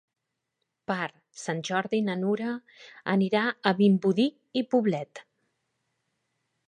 Per Sant Jordi na Nura anirà a Vimbodí i Poblet.